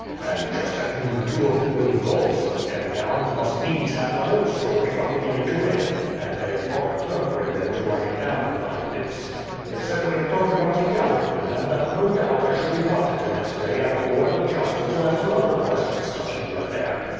And just at noon two of the queen's officers came down and must needs have the whole story from beginning to end; and they had brought a clerk with them to write it down from my lips. They said we had done right gallantly, and that no doubt I should be wanted the next day at the royal council to answer other questions touching the affair.